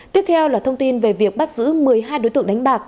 tiếp theo là thông tin về việc bắt giữ một mươi hai đối tượng đánh bạc